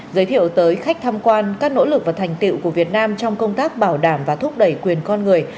giới thiệu tới khách tham quan các nỗ lực và thành tiệu của việt nam trong công tác bảo đảm và thúc đẩy quyền con người